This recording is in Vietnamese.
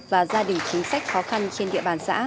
và gia đình chính sách khó khăn trên địa bàn xã